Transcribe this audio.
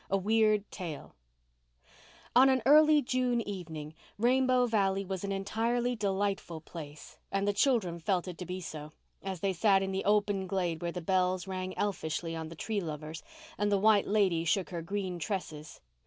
A WEIRD TALE On an early June evening Rainbow Valley was an entirely delightful place and the children felt it to be so, as they sat in the open glade where the bells rang elfishly on the Tree Lovers, and the White Lady shook her green tresses.